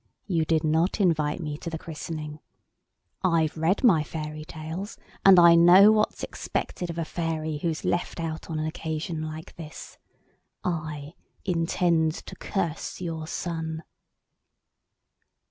"You did not invite me to the christening. I've read my fairy tales, and I know what's expected of a fairy who is left out on an occasion like this. I intend to curse your son."